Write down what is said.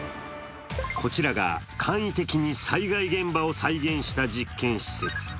こちらが簡易的に災害現場を再現した実験室。